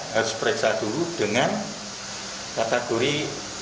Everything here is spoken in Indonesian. harus periksa dulu dengan kategori